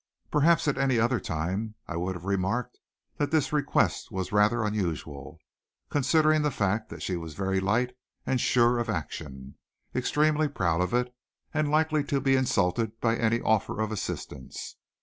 Perhaps at any other time I would have remarked that this request was rather unusual, considering the fact that she was very light and sure of action, extremely proud of it, and likely to be insulted by an offer of assistance.